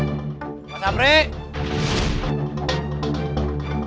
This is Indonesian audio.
awas kesini dulu